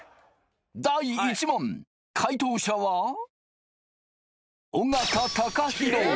第１問解答者はえ